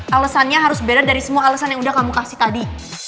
alasannya harus beda dari semua alasan yang udah kamu kasih tadi